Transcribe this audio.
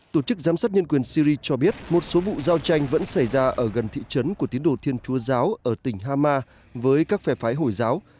tổ chức giám sát nhân quyền syri cho biết một số vụ giao tranh vẫn xảy ra ở gần thị trấn của tiến đồ thiên chúa giáo ở tỉnh hama với các phè phái hồi giáo